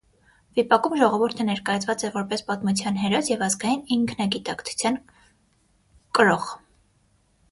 Վիպակում ժողովուրդը ներկայացված է որպես պատմության հերոս և ազգային ինքնագիտակցության կրող։